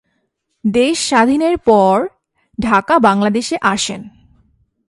দেশ স্বাধীনের পর ঢাকা, বাংলাদেশে আসেন।